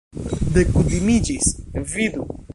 Dekutimiĝis, vidu!